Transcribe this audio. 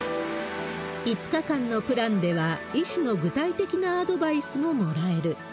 ５日間のプランでは、医師の具体的なアドバイスももらえる。